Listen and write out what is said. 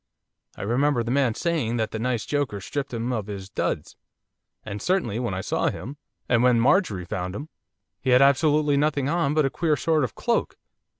I remember the man saying that that nice joker stripped him of his duds, and certainly when I saw him, and when Marjorie found him! he had absolutely nothing on but a queer sort of cloak.